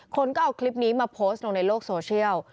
คนก็เอาคลิปนี้มาโพสต์ลงในโลกโซเชียล